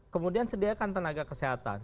kemudian sediakan tenaga kesehatan